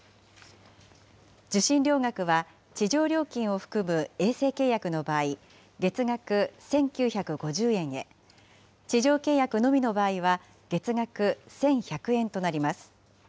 受信料額は、地上料金を含む衛星契約の場合、月額１９５０円へ、地上契約のみの場合は月額１１００円となります。